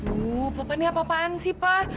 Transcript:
oh papa ini apa apaan sih pak